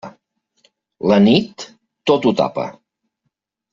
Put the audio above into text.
La nit, tot ho tapa.